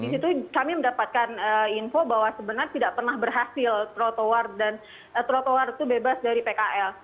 di situ kami mendapatkan info bahwa sebenarnya tidak pernah berhasil trotoar dan trotoar itu bebas dari pkl